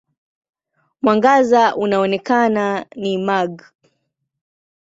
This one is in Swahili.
Mwangaza unaoonekana ni mag.